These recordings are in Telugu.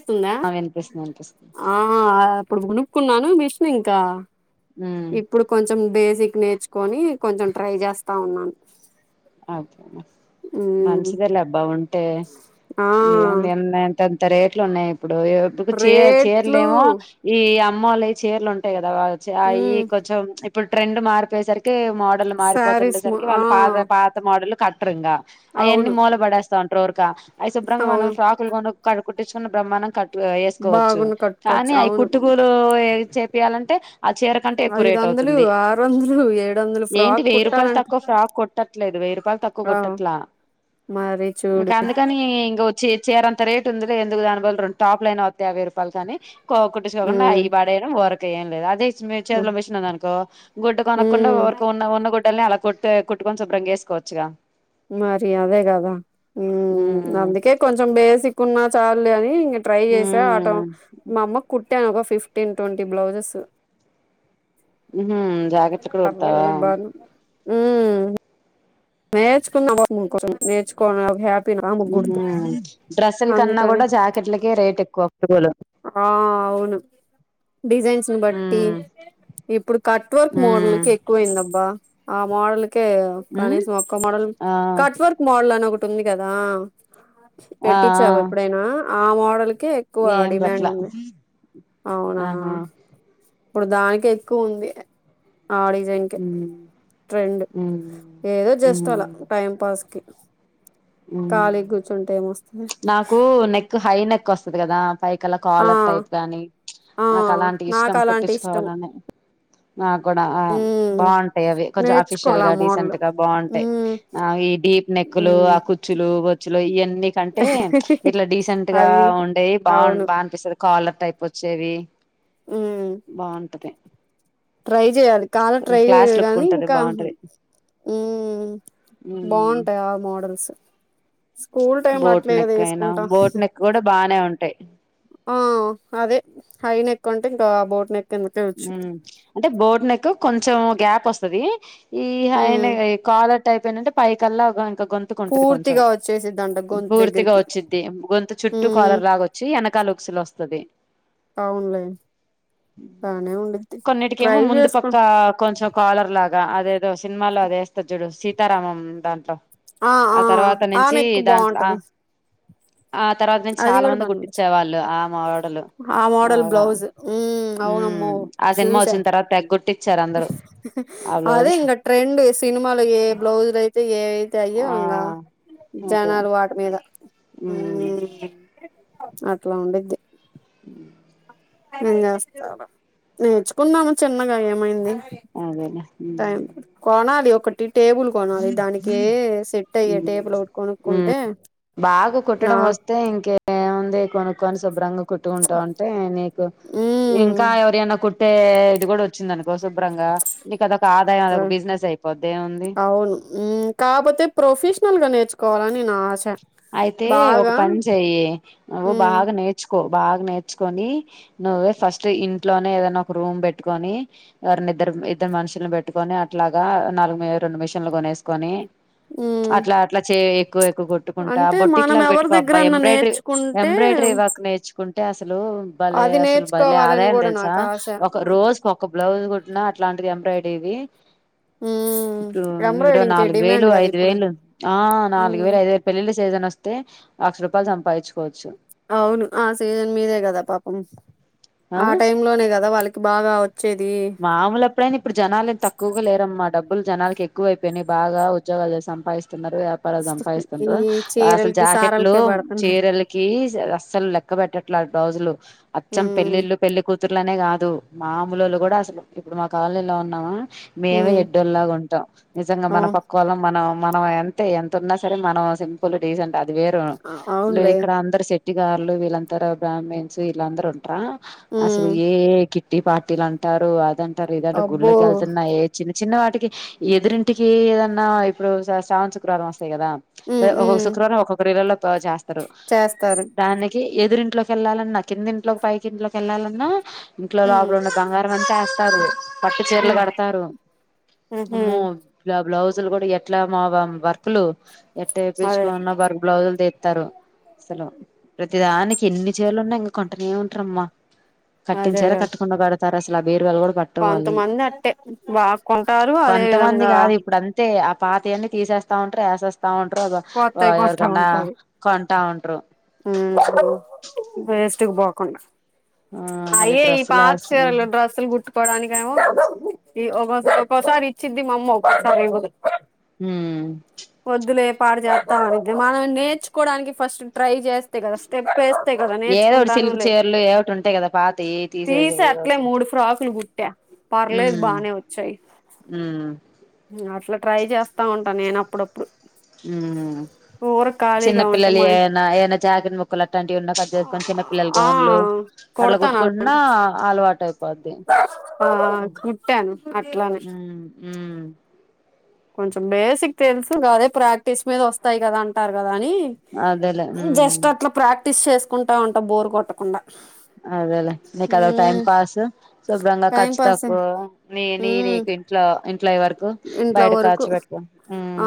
త్తుందా ఆ వినిపిస్తుంది వినిపిస్తుంది ఆ అప్పుడు గునుకున్నాను మిషన్ ఇంకా ఉమ్ ఇప్పుడు కొంచెం బేసిక్ నేర్చుకొని కొంచెం ట్రై చేస్తా ఉన్నాను కేనా మ్మ్ మంచిదే లేబ్బా ఉంటే ఆ ఏముంది పెద్ద రేట్లు ఉన్నాయి ఇప్పుడు ఎప్పు చి చీరలు రేట్లు ఏమో ఈ అమ్మోళ్ళవి చీరలు ఉంటాయి కదా అయి మ్మ్ కొంచెం ఇప్పుడు ట్రెండ్ మారిపోయేసరికి మోడల్లు శారీస్ ము మారిపోతుండేసరికి ఆ వాళ్ళ పాద పాత మోడలు కట్రూ ఇంగా అవన్నీ అవును మూల పడేస్తావుంటారు ఊరక అఐ శుభ్రంగా మనం అవును ఫ్రాకులు కొను కడు కుట్టిచ్చుకున్న బ్రహ్మండం కట్ వేసుకోవచ్చు బాగున్న కట్టుకోవచ్చు కానీ అవి అవును కుట్టుకూలు ఏ చేపియాలంటే ఆ చీర కంటే ఎక్కువ ఐదు రేట్ వందలు అవుతుంది ఆరు వందలు ఏడు వందలు ఏంటి ఫ్రాక్ వెయ్యి రూపాయలు కుట్టాలంటే తక్కువ ఫ్రాక్ కొట్ కుట్టట్లేదు వెయ్యి రూపాయలు తక్కువ ఆ కుట్టట్లా మరి చూడు ఇంకా అందుకని ఇంగ చీర అంత రేట్ ఉందిలే ఎందుకు దానిబదులు రెండు టాప్ల అయినా వత్తాయ్ వెయ్యి రూపాయలు కనీ కో కుట్టించుకోకుండా మ్మ్ ఇవి పడేయడం ఓరకేయం లేదు అదే చేతిలో మెషినుంది అనుకో గుడ్డ కొనక్కుండా మ్మ్ కొరిక ఉన్న ఉన్న గుడ్డల్ని అలా కొట్టె కొట్టుకొని శుభ్రంగా చేసుకోవచ్చుగా మరి అదే కదా ఊ ఉమ్ అందుకే కొంచెం బేసికున్నా చాలులే అని ఇ ట్రై చేస ఆటో ఉమ్ మా అమ్మకు కుట్టా ఒక ఫిఫ్టీన్ ట్వంటీ బ్లౌజెస్ అ ఉహూ జాకెట్లు కూడా కుడతావా అది బాను ఉమ్ నేర్చుకున్నా ఆపాప నేర్చుకో హ్యా ఉహ డ్రెస్సుల కన్నా అందుకని. కూడా జాకెట్లకే రేట్ ఎక్కువ కొగోలు ఆ అవును డిజైన్స్ ని బట్టి ఉమ్ ఇప్పుడు కట్వర్క్ మోడల్ ఉమ్ కె ఎక్కువయిందబ్బా ఆ మోడల్కే ఉమ్ కనీసం ఒక్క మోడల్ ఆ కట్వర్క్ మోడల్ అని ఒక ఉంది కదా ఆ ఆ పెట్టించావా ఎప్పుడైనా ఆ మోడల్ కే ఎక్కువ ఏం డిమాండ్ బట్లా ఉంది అవునా ఆహా ఇప్పుడు దానికె ఎక్కువ ఉంది ఆ డిజైన్ కె ఉమ్ ట్రెండ్ ఉమ్ ఏదో జస్ట్ ఉమ్ అలా టైం పాస్ కి ఉమ్ ఖాళీ కూర్చుంటే ఏమ వస్తుంది నాకు నెక్ హై నెక్ వస్తది కదా పైకలా ఆ కాలర్ టైప్ గాని ఆ నాకు అలాంటి ఇష్టం నాకు అలాంటి ఇష్టం కుట్టించుకోవాలని నా కూడా హ్మ్. బాగుంటాయి అవి కొంచెం ఆఫీషియల్ నేర్చుకోవాలి ఆ గా మోడలు. డీసెంట్ గా బాగుంటాయి హ్మ్. ఈ డి ఇపు నెక్లు హ్మ్. ఆ కుచ్చులు బొచ్చులు ఇవన్నీ కంట. అంటే ప్చ్ ఇట్లా డీసెంట్ గా అవి ఉండేవి బా అవును. బాగా అనిపిస్తుంది కాలర్ టైప్ వచ్చేవి. హ్మ్. బాగుంటది. ట్రై చేయాలి కాలర్ కొంచెం ట్రై క్లాస్ చేయలేదు లుక్ కానీ ఉంటది ఇంకా. బాగుంటది ఉమ్ ఉమ్ బాగుంటాయి ఆ మోడల్స్. స్కూల్ టైంల బోట్ అట్లా ఇగ నెక్ అయినా తీసుకుంటా. బోట్ నెక్ కూడా బానే ఉంటాయి ఆహ్ అదే హై నేక్ అంటే ఇంకా బోట్ నేక్. ఉమ్ అంటే బోట్ నెక్ కొంచెం గ్యాప్ వస్తది. ఇగ high hmm. Neck collar type ఏంటంటే పైకల్లా ఇంకా గొంతుకు ఉంటది కొంచెం. పూర్తిగా వచ్చేసిద్దంట గొంతు పూర్తిగా దగ్గరికి. వచ్చిద్ది గొంతు చుట్టూ హ్మ్. కలర్ లాగొచ్చి వెనకాల ఉక్సుల్ వస్తది. ఆన్లైన్ ఉమ్. ఇంకొన్నిటికేమో ముందు పక్క కొంచెం. కాలర్ లాగా అదేదో సినిమాలో అది వేస్తంది చుడు సీతారామం దాంట్లో. ఆ తర్వాత ఆ నుంచి నెక్ దాంట్లా బావుంటది. ఆహ్. ఆ తర్వాత నుంచి అది చాలా కూడా మంది బాగుంది కుట్టించేవాళ్లు ఆహ్. ఆ మోడల్ బ్లౌజ్ ఉమ్ ఉమ్ అవునమో. ఆ సినిమా చూసా వచ్చిన తర్వాత తెగ కుట్టించారు అందరూ ఆ అదే బ్లౌజ్ ఇంకా ట్రెండ్ సినిమాల ఇంక ఏ బ్లౌజులు అయితే. ఆహ్ ఏవైతే అయే ఆ ఇంకా అదే జనాలు వాటి మీద. ఉమ్ అట్లు ఉండుద్ది. ఉమ్. నేను చేస్తారు నేర్చుకున్నాను చిన్నగా ఏమైంది. అదేలే టైం ఉమ్. కొనాలి ఒకటి టేబుల్ కొనాలి దానికి సెట్ అయ్యే టేబుల్ ఒకటి ఉమ్ కొనుక్కుంటే. బాగా నా కుట్టడం వస్తే ఇంకేముంది. దే కొనుక్కొని శుభ్రంగా కుట్టుకుంటుంటే నీకు ఉమ్ ఇంకా ఎవరైనా కుట్. అదే ఇది కూడా వచ్చిందనుకో శుభ్రంగా నీకు అదొక ఆదాయం అదొక బిజినెస్ అయిపోద్ది ఏముంది. అవును ఉమ్ కాకపోతే ప్రొఫెషనల్ గా నేర్చుకోవాలని నా ఆశ. అయితే ఒక బాగా పని చెయ్యి నువ్వు ఉమ్ బాగా నేర్చుకో. బాగా నేర్చుకొని నువ్వే ఫస్ట్ ఇంట్లోనే ఏదైన ఒక రూమ్ పెట్టుకొని ఎవరీ. ఇద్దరు ఇద్దరు మనుషులను పెట్టుకొని అట్లాగా నాలుగు రెండు మిషన్లు కొనేసుకొని. ఉమ్ అట్లా అట్లా చే ఎక్కువ ఎక్కువ కొట్టుకుంటూ. అంటే మనం బొట్టిక్లాగ్ ఎవరి పెట్టుకోవబ్బ దగ్గరన్నా ఎంబ్రాయిడరీ నేర్చుకుంటే ఎంబ్రాయిడ్రి వర్క్ నేర్చుకో. తీసుకుంటే అసలు భలే అది అసలు భలే నేర్చుకోవాలని ఆదాయం కూడా తెలుసా నాకు ఆశ ఒక రోజు కు ఒక బ్లౌజ్ కూట్. అట్లాంటిది ఎంబ్రాయిడరీది. ఉమ్ ఇప్పుడు ఇడ ఎంబ్రాయిడింగ్కి నాలుగు వేలు డిమాండ్ కదా ఐదు ఇప్పుడు వేలు ఆహ్ నాలుగు ఉమ్ వేలు ఐదు వేలు పెళ్ళిళ్ళా సిజన్. వస్తే లక్ష రూపాయలు సంపాదించుకోవచ్చు. అవును ఆ సీజన్ మీదే కదా పాపం ఆ టైం లోనే కదా వాళ్ళకి బాగావచ్చు. మామూలు అప్పుడైనా ఇప్పుడు జనాలేం తక్కువగా లేరమ్మా డబ్బు. లు జనాలకి ఎక్కువైపోయినై బాగా ఉద్యోగాలు చేసి సంపాదిస్తున్నారు. ఈ సంపాదిస్తుండ్రు అసలు చీరలకి జాకెట్లు సారలకే పడుతున్నారు చీరలకి అస్సలు లెక్క పెట్టట్లే. రోజులు అచ్చం ఉమ్ పెళ్లిళ్ళలు పెళ్లి కూతురులు అనే కాదు మామూలోలు కూడా. అసలు ఇప్పుడు మా కాలనీ లో ఉన్నామా మేమే ఉమ్ ఎడ్డోల్లాగా ఉంటాం నిజంగా మన అవును పక్కోలు మన. మనం ఎంత ఎంత ఉన్నా సరే మనం సింపుల్ డీసెంట్ అది వేరు అసలు అవునులే ఇక్కడ అందరు సెట్. కిట్టి గారులు వీళ్ళంతర బ్రాహ్మీన్స్ ఇలాందరు ఉంటార అసలు ఉమ్ ఏ కి. కీటీ పార్టీలు అంటారు అదంటారు ఇదంటారు అబ్బో గుళ్ళకు వెళ్తున్నరు ఏ చిన్న చిన్న వాటికి. ఎదురింటికి ఏదన్నా ఇప్పుడు సస్రావన శుక్రవారం వస్ తయి కదా ఉమ్ ఒక్కొక్క ఉమ్ శుక్రవారం ఒక్కొక్కరి ఇళ్లలో ఆ చేస్తారు చేస్తారు దాని కిఎదురింట్లోకి ఎళ్లాలన్నా కింది ఇంట్లో పైకి ఇంట్లోకి ఎళ్లాలన్నా ఇంట్లో ఉమ్ లోపలున్న బంగార ం అంతా ఎస్తారు, పట్టు చీరలు ఉమ్ కడతారు. ఉహు అమ్మో బ్ల బ్లౌస్ సులు కూడా ఎట్లా మాబా వర్కులు, అదే ఎట్టేపిచ్చుకున్నా వర్ బ్లౌజుల్ది స్తరు అసలు ప్రతి దానికి ఎన్ని చీరలు ఉన్నా ఇంకా కొంటనే ఉంటరమ్మా. కట్టిన చీరా అదేగా కట్టకుండా కడతారు అసలు అవే [unintelligible] లు కూడా పట్టవు వాళ్ళయి. కొంతమంది అట్టే బాగా కొంటారు అదే కొంతమంది విధంగా కాదు ఇప్పుడు అంతే పాతయి అన్నీ తీసేస్తా ఉంటరు, ఎసేస్ తా ఉంట్రు అదో కొత్తవి కొంటా ఎవర్కన్నా, ఉంటారు కొంటా ఉంట్రు. వేస్ట్కి పోకుండా. ఆ మళ్ళీ అయ్యే ఈ డ్రెస్సులు పాత ఏస్తున్నా సీరలు డ్రస్సులు కుట్టుకోవడానికి ఏమో ఈ ఒక ఒక్కోసారి ఇచ్చిద్ది మా అమ్మ, ఒక్కోసారి ఇవ్వదు. హ్ వద్దులే పాడు చేత్తా ఉంటిద్ది. మనం నేర్చుకోవడానికి ఫస్ట్ ట్రై చేస్తే కదా స్టెపే స్తే కదా ఏదో ఒకటి సిల్క్ నేర్చుకుంటానులే. చీరలు ఏవోటి ఉంటాయి కదా పాతయి తీసి తీసేసేయి అట్లే మూడు ఫ్రాకులు కుట్టా. పర్లేదు బానే వచ్చాయి. ఉ అట్లా ట్రై చేస్తా ఉంటాను నేను. అప్పుడప్పుడు ఉ ఊర చిన్న ఖాళీగా ఉంటే పిల్లలయి మా ఏమన్నా ఏయన్నా జాకెట్ ముక్కలు అట్టాంటివి ఉన్నా కట్చేసుకొని చిన్నపిల్లలు ఆ గౌన్లు అట్లా కొడతాను కుట్టుకున్నా అలాంటి అలవాటు అయిపో ఆ కుట్టాను అట్లానే ఉమ్ ఉమ్ కొంచెం బేసిక్ తెలుసు అదే ప్రాక్టీస్ మీద వస్తాయి కదా అంటారు క కానీ అదేలే ఉమ్ జస్ట్ అట్లా ప్రాక్టీస్ చేసుకుంటా ఉంటా బోర్ కొట్టకుండా. అదేలే నీకు అదో ఉమ్, టైంపాసు శుభ్రంగా టైం ఖర్చు పాస్ తక్కువ నీ నీయి ఉమ్, నీకు ఇంట్లా ఇం ఇంట్లో వరకు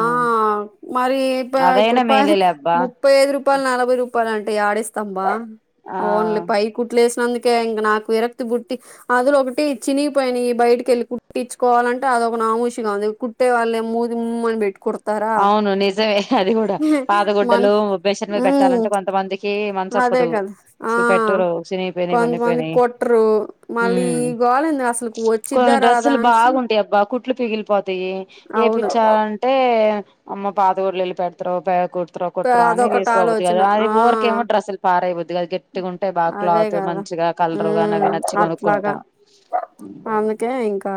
ఆ మరి ఇప ఇప్పుడు అదైనా పది మేలేలే అబ్బా ముప్పై ఐదు రూపాయలు నలభై రూపాయలు అంటే యాడిస్తాంబా ఆ ఓన్లీ పై కుట్లేస్ అందుకే ఇంగ నాకు విరక్తి బుట్టి అందులో ఒకటి చినిగిపోయినయి బయటికి వెళ్ళి కుట్టించుకోవాలంటే అది ఒక నాముషిగా ఉంది కుట్టే వాళ్ళే మూతి ఉమ్మని పెట్టి కుడ్ అవును నిజమే అది కూడా. మన పాతగుడ్డలు మిషన్ మీద మ్మ్ పెట్టాలంటే కొంతమందికి కి అదే మనసొప్పదు, కదా ఆ అసలు పెట్టరు. సినగిపోయినయి, కొంతమంది వన్నెపోయినయి కొట్టరు మళ్ళీ ఈ గోలెందుకు అసలుకు వచ్చిద్దా కొన్ని రాదా డ్రెస్సులు అనేసి బాగుంటయి అబ్బా, కుట్లు పిగిలిపోతాయి. అవును ఏపిచ్చాలంటే అమ్మా పాతగుడ్డలు యిల్లు పెడతరు పె కుట్ కుడతరో కుట్రో అని అదొకటి తీసుకోబుద్ది కాదు. ఆలోచన అది ఆ ఉర్కేమో డ్రెస్సులు పాడెయబుద్ది కాదు, గట్టిగా ఉంటయి బాగా అదే క్లాత్ కదా మంచి గా కలరు గాని అవి ఉమ్ నచ్చి అట్లాగా కొనుక్కుంటా. అందుకే ఇంకా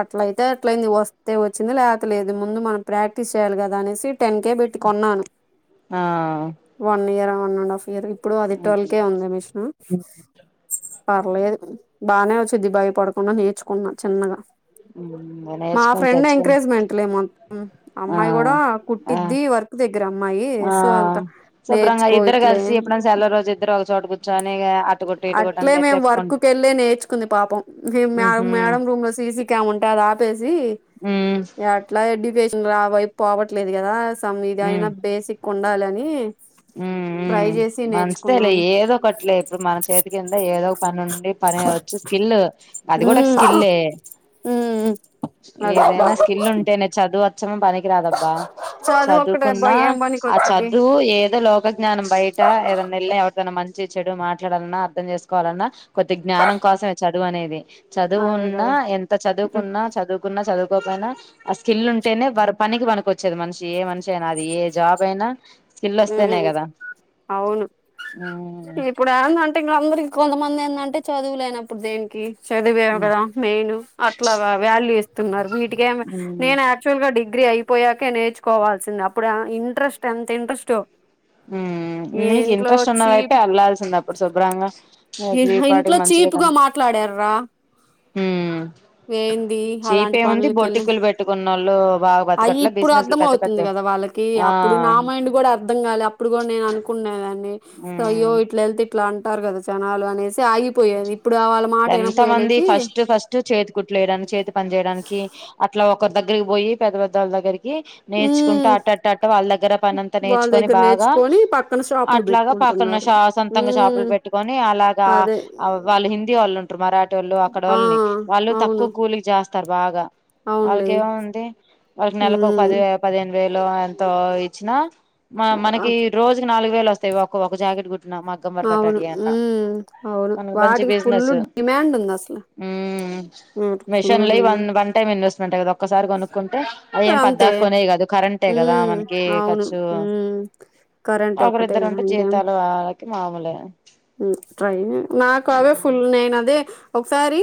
అట్లయితద్ అట్లైంది వస్తే వచ్చింది లేకపోతే లేదు. ముందు మనం ప్రాక్టీస్ చేయాలి కదా అనేసి టెన్ కే పెట్టి కొన్నాను. ఆ one year one and half year ఇప్పుడు అదే అదిట్వల్కే ఉంది మిషను. పర్లేదు బానే వచ్చిద్ది భయపడకుండా నేర్చుకున్నా చిన్నగా. హ్ మా ఫ్రెండ్ ఎంకరేజ్మెంట్లే మొత్తం. ఆ అమ్మాయి కూడా ఆ కుట్టిద్ది వర్క్ దగ్గరా. ఆ శుభ్రంగా ఇద్దరు కలిసి ఇట్లే ఎప్పుడైనా సెలవు రోజు ఇద్దరు ఒక చోటు కూర్చొని ఆల్లుకొట్టె అట్లే మేము వర్కు కెళ్ళే నేర్చుకుంది పాపం ఉహు మేడం రూమ్ లో సీసీ కెమ్ ఉంటే అది ఆపే సి ఎట్లా ఎడ్ రా వైపు పోవట్లేదు కదా సమ్ ఇదైనా బేసిక్ ఉండాలి అని ఉ ఉ మంచిదేలే ఏదో ఒకటిలే ఇప్పుడు మన చేతి కింద ఏదో పని ఉండి పని వచ్చి స్కిల్ అది కూడ ఉమ్ స్కిల్లె ఉమ్ అదే ఏదైన స్కిల్ ఉంటేనే చదువు దువు అచ్చమ పనికిరాదబ్బా చదువు ఒక్కటే అబ్బా చదువుకున్నా ఏం పనికి ఆ వచ్చిద్ది చదువు ఏ లోోగజ్ఞనం బయట ఏదైన్న అడుతన్న మంచి ంచి చెడు మాట్లాడాలన్నా అర్థం చేసుకోవాలన్న కొద్ది జ్ఞానం కోసమే చదువు అనేది అదే చదువున్నా కదా ఎంత చదువుకున్నా చదువు చదువుకోపోయినా ఆ స్కిల్ ఉంటేనే పనికి పనక వచ్చేది మనిషి ఏ మనిషి అయినా అది ఏ జాబ్ అయినా న హు అవును ఉమ్ ఇప్పుడు ఏందంటే ఇంకందరికి కొంతమంది ఏందంటే చదువు లేనప్పుడు దేనికి చదువేవు కదా మెయిన్ అట్ల వాల్యూ ఇస్త న్నారు వీటికే నేను యాక్చువల్ గా డిగ్రీ అయి పోయాకే నేర్చుకోవాల్సింది అప్పుడు ఇంట్రెస్ట్ ఎంత ఇంట్రెస్టో నీకు ఇంట్రెస్ట్ ఉన్నదైతె చీప్ వెళ్లాల్సింది అప్పుడు శుభ్రంగా దీపాటికి ఇంట్లో చీపుగా మాట్లాడార్ రా హు అలాంటి చీపేముంది పనులకెళ్ళి బొటికులు పెట్టుకున్న వాళ్ళు బాగ అయి బతకట్ల ఇప్పుడు బిజినెస్లు అర్థం పెద్ద పెద్ద అవుతుంది కదా వాళ్ళకి ఆ అప్పుడు నా మైండ్ కూడ అర్థం కాల ఇప్పుడు కూడ నేను అనుకునేదాన్ని అయ్యో ఇట్ల వెళ్తే ఇట్ల అ అంటారు కదా జనాలు అనేసి ఆగిపోయేది ఇప్పుడు వాళ్ళ మాట ఎంత మంది వినపోయేలేకి ఫస్ట్ ఫస్ట్ చేతి కుట్లుయడానికి చేతి పని చేేయడానికి అట్ల ఒకరి దగ్గరికి పోయి పెద్ద పెద్దళ్ళ దగ్గరికి నేర్చుకుంట మ్మ్ అట్ట వాళ్ళ దగ్గర పని అంత వాళ్ళ నేర్చుకొని దగ్గర బాగ నేర్చుకొని పక్కన షాపులు అట్లాగ పక్కన పెట్టుకుంటున్నారు షా సొంతంగా షాపులు మ్మ్ పెట్టుకొని అలాగ అదే వాళ్ళు హిందీ వాళ్ళ ు ఉంటారు మరాఠ వాళ్ళు అక్కడ ఆ వాళ్ళని వాళ్ళు తక్కువ అవును కూలికి చేస్తారు బాగ అవునులే వాళ్ళకిే ముంది వాళ్ళకి నెలకు ఒక మ్మ్ పది పదిహేను వేలు ఎంతో ఇచ్చిన మనకి రోజుకి నాలుగు వేలు వస్తాయి ఒ ఒక జాకెట్ కుట్ మగ్గం వర్క్ అవును అట్టాంటివి అన్నా మ్మ్ అవును మన మంచి వాటికి ఫుల్ బిజినెస్ డిమాండ్ ఉంది అసలు ఫుల్ మెషన్ల one demand one time investment ఆ ఒక్కసారి కొనుక్కుంటే అవి ఏం అంతే పద్దాక్ కొనేవి కాదు కరెంటే కదా హ్మ్. మనకి అవును. ఖర్చు హ్మ్. కరెంటే ఒక్కటే ఒకరిద్దరు గదా! ఉంటే ఇంకేం జీతాలు వాళ్ళకి మామూలే ట్రైన్ నాకు అవే ఫుల్ నేన్ అదే ఒకసారి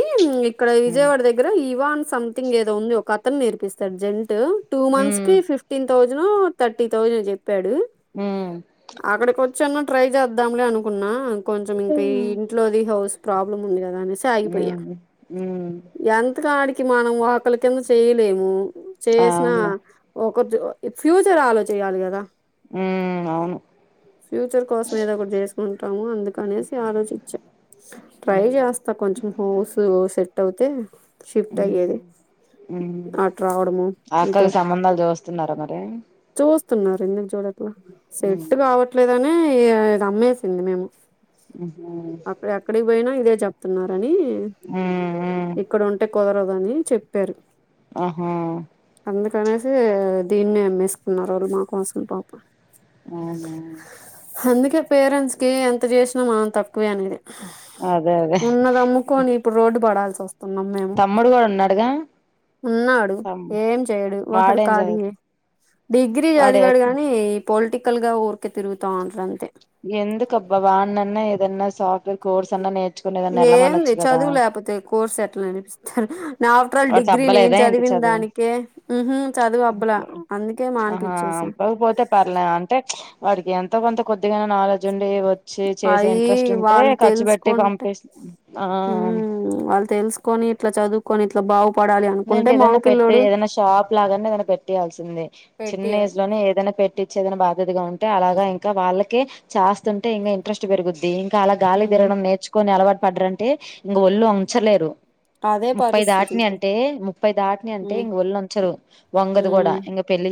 ఇక్కడ మ్మ్ విజయవాడ దగ్గర ఇవాన్ సంథింగ్ ఏదో ఉంది ఒక అతన్ నేర్పిస్తాడు జెంట్స్ టూ మంత్స్ మ్మ్ కి ఫిఫ్టీన్ థౌజండ్ థర్టీ థౌజండ్ చెప్ చెప్పాడు అక్కడికి వచ్చన్న ట్రై చేద్దాంలే అనుకున్నా కొంచం ఇంకా మ్మ్ ఇంట్లోది హౌస్ ప్రాబ్లమ్ ఉంది కదా అనే సి ఆగిపోయా మ్మ్ మ్మ్ ఎంత కాడి మనం ఒతల కింద చేయలేము చేసిన అవును ఒక ఫ్యూచర్ ఆలో చేయాలి కదా మ్మ్ అవును ఫ్యూచర్ కోసం ఏదోకటి చేసుకుంటాము అందు అ ఆలోచించా ట్రై చేస్తా కొంచం హోస్ సెట్ అవుతే షిఫ్ట్ ఆయ్యేది ఉమ్ అక్కవి సంబంధాలు చూస్తున్నారా మరి చుస్తున్నారు ఎందుకు చూడట్లే సెట్ మ్మ్ కావట్లేదునే ఇగ అమ్మేసింది మేము మ్మ్ అప్పుడు ఎక్కడి పోయినా ఇదే చెప్తున్నారని ఉమ్ మ్మ్ మ్మ్ ఇక్కడ ఉంటే కుదరదు అని చెప్పారు ఆహ అనేసి దీన్నే అమ్మేసుకున్నారు మా కోసం పాపం అవునా అందుకే పేరెంట్స్కి ఎంత చేసినా మనం తక్కువే అనేది అదే అదే ఉన్నదమ్ముకొని ఇప్పుడు రోడు పడాలి తమ్ముడు కూడా ఉన్నాడుగా ఉన్నాడు తమ్ ఏం చెయడు వాడు వాడేం చదు ఖాలియే డిగ్రీ వాడే చదివాడు కాని పొలిటికల్ గా ఊరికే తిరుగుతాంటాడు అంతే ఎందుకు అబ్బా వాన్నా ఏదన్నా సాఫట్వేర్ కోర్స్ అన్నా నేర్ ఏంది చదువు లేకపోతే కోర్సు ఎట్లా నేరపిస్తారు నాఫటర్ల్ వాడు డిగ్రీ నేను తబ్బలేదా ఏంటి చదివిన చదువు దానికే ఉహూ హు చదువు అబ్బులా అందుకే మానిపించేస్ అబ్బాకపోతే పర్లే అంటే వాడికి ఎంతో కొంత కొద్దిగా అన్న నాలెడ్జ్ ఉన్ పే వచ్చి చేసే అది ఇంట్రెస్ట్ ఉంటే వాళ్ళు ఖర్చు పెట్టి తెలుసుకుంటే పంపి ఆ ఉమ్ వాళ్ళు తెలుసుకొని ఇట్లా చదువుకొని ఇట్లా బాగుపడాలి లేదంటే అనుకుంటే ఏదైనా పెట్టే మగపిల్లోడు ఏదైనా షాప్ లాగానే ఏదైనా పెట్టేయాల్సిందంది చిన్న పెట్టియ ఏజ్ లోనే ఏదైనా పెట్ పెట్టించి ఏదయినా బాధ్యతగా ఉంటే అలాగా ఇంకా వాళ్ళకి కే చేస్తుంటే ఇంకా ఇంట్రెస్ట్ పెరుగుద్ది ఇంకా అలా గాలి ఉమ్ తిరగడం నేర్చుకొని అలవాట్ పడ్రంటే ఇంక ఒళ్ళు ఒంచలేరు అదే పరిస్థితి ఇప్పు అంటే ముప్పై దాటిని అంటే ఇంక ఒళ్ళు ఉంచరు వంగదు కూడా ఉమ్ ఇంక పెళ్లి